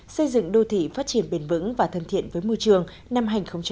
xây dựng đô thị phát triển bền vững và thân thiện với môi trường năm hai nghìn hai mươi